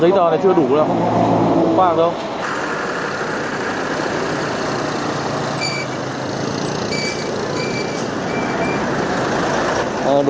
giấy tờ này chưa đủ đâu không có hẳn đâu